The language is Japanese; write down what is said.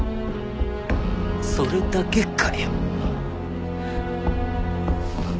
それだけかよ！